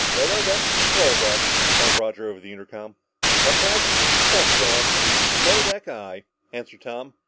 "Radar deck to control deck," called Roger over the intercom. "One thousand feet to touchdown!" "Control deck, aye," answered Tom.